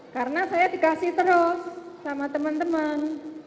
karena saya dikasih terus sama teman teman